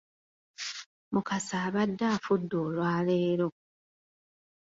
Mukasa abadde afudde olwaleero!